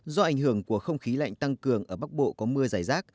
do ảnh hưởng của không khí lạnh tăng cường ở bắc bộ có mưa giải rác